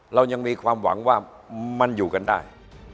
เรายังมีความหวังว่ามันอยู่กันได้